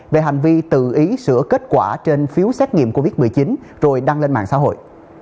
về hành vi tự ý sửa kết quả trên phiếu xét nghiệm covid một mươi chín rồi đăng lên mạng xã hội